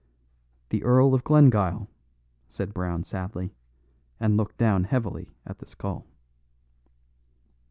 "The Earl of Glengyle," said Brown sadly, and looked down heavily at the skull.